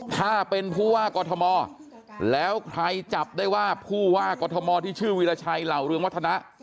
ถ้าเป็นผู้ว่ากอทมแล้วใครจับได้ว่าผู้ว่ากอทมที่ชื่อวิราชัยเหล่าเรืองวัฒนะ